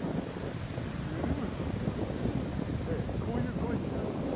こういう声になる。